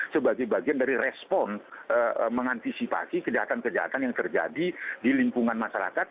sebagai bagian dari respon mengantisipasi kejahatan kejahatan yang terjadi di lingkungan masyarakat